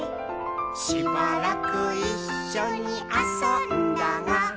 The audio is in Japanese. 「しばらくいっしょにあそんだが」